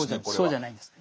そうじゃないんです。